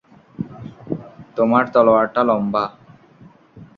তোমার তলোয়ারটা লম্বা।